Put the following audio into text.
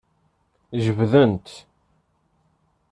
Jebden-t.